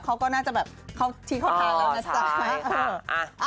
เขาก็น่าจะแบบเขาชี้เข้าตาแล้วนะจ๊ะ